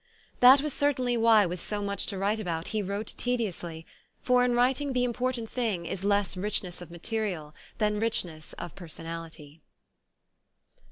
That was certainly why with so much to write about he wrote tediously, for in writing the im portant thing is less richness of material than rich ness of personality.